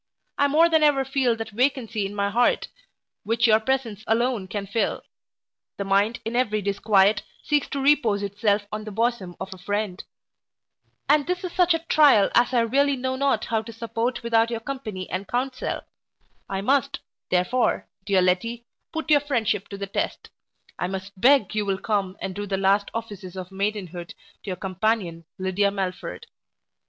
I more than ever feel that vacancy in my heart, which your presence alone can fill. The mind, in every disquiet, seeks to repose itself on the bosom of a friend; and this is such a trial as I really know not how to support without your company and counsel I must, therefore, dear Letty, put your friendship to the test I must beg you will come and do the last offices of maidenhood to your companion Lydia Melford.